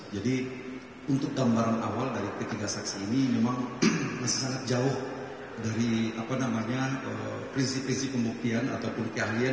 jadi untuk gambaran awal dari tiga saksi ini memang masih sangat jauh dari prinsip prinsip kemuktian atau keahlian